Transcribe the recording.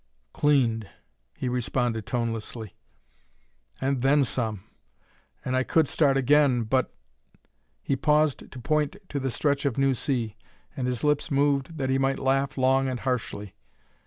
"Cleaned," he responded tonelessly; "and then some! And I could start again, but " He paused to point to the stretch of new sea, and his lips moved that he might laugh long and harshly.